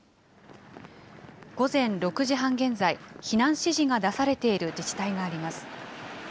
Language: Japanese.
午前６時半現在、避難指示が出されている自治体があります。